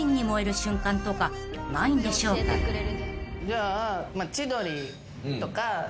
じゃあ。